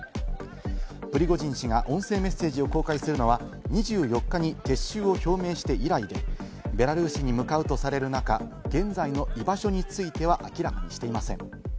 プリゴジン氏が音声メッセージを公開するのは２４日に撤収を表明して以来で、ベラルーシに向かうとされる中、現在の居場所については明らかにしていません。